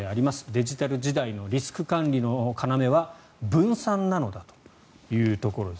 デジタル時代のリスク管理の要は分散なのだというところです。